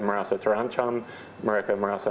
merasa terancam mereka merasa